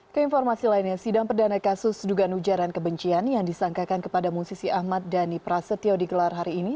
keinformasi lainnya sidang perdana kasus dugaan ujaran kebencian yang disangkakan kepada musisi ahmad dhani prasetyo digelar hari ini